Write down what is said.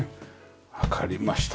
わかりました。